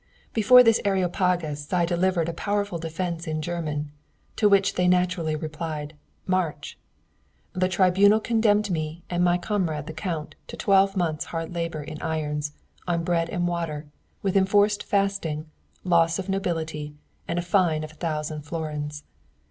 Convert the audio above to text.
Before this Areopagus I delivered a powerful defence in German, to which they naturally replied "March!" The tribunal condemned me and my comrade the Count to twelve months hard labour in irons, on bread and water, with enforced fasting, loss of nobility, and a fine of a thousand florins.